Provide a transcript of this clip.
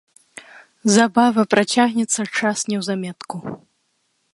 Забава, працягнецца час неўзаметку.